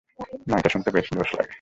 না, এটা শুনতে বেশ জোস লাগে।